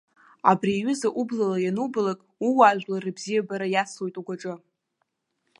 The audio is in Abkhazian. Абри аҩыза ублала ианубалак, ууаажәлар рыбзиабара иацлоит угәаҿы.